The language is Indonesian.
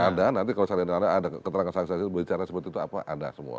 ada nanti kalau saya lihat ada keterangan saksi saksi berbicara seperti itu apa ada semua